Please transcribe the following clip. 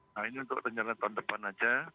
nah ini untuk penjalanan tahun depan saja